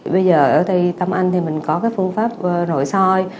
bây giờ ở đây tâm anh thì mình có cái phương pháp nội soi